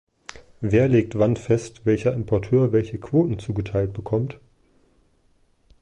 Wer legt wann fest, welcher Importeur welche Quoten zugeteilt bekommt?